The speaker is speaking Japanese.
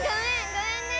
ごめんね！